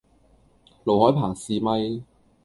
盧海鵬試咪